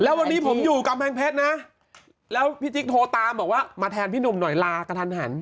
แล้ววันนี้ผมอยู่กำแพงเพชรนะแล้วพี่จิ๊กโทรตามบอกว่ามาแทนพี่หนุ่มหน่อยลากระทันหัน